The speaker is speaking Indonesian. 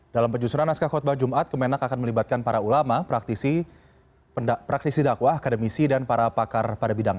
dalam penyusunan naskah khutbah jumat kemenak akan melibatkan para ulama praktisi dakwah akademisi dan para pakar pada bidang